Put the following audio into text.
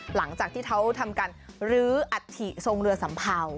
หลังจากที่เขาทำการลื้ออัฐิทรงเรือสัมเภา